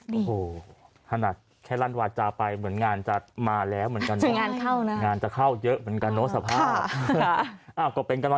แล้วค่อนข้างแค่รัฐวาจจาไปเหมือนงานจะมาแล้วเหมือนกันนะ